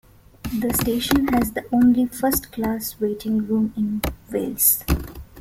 The station has the only First Class waiting room in Wales.